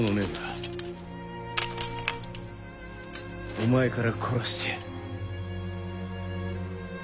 お前から殺してやる。